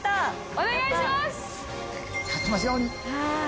お願いします！